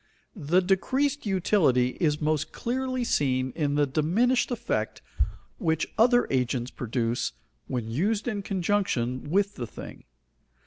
The decreased utility is most clearly seen in the diminished effect which other agents produce when used in connection with the thing.